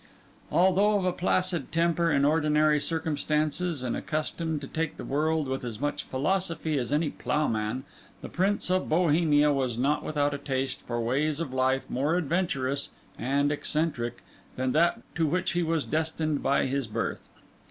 Although of a placid temper in ordinary circumstances, and accustomed to take the world with as much philosophy as any ploughman, the Prince of Bohemia was not without a taste for ways of life more adventurous and eccentric than that to which he was destined by his birth.